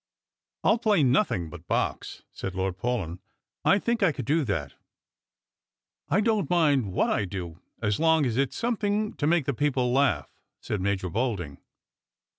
" I'll play nothing but Box," said Lord Paulyn ;" I think I could do that." " I don't mind what I do, as long as it's something to make the i^eople laugh," said Major Bolding.